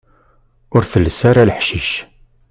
Ur telles ara leḥcic.